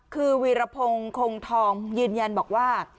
คือวีรพงศ์คงทองยืนยันบอกว่า